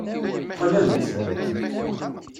Qqlent.